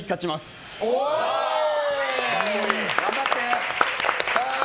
頑張って！